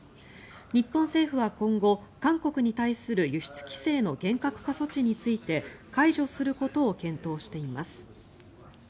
日本政府は今後、韓国に対する輸出規制の厳格化措置について解除することを検討しています。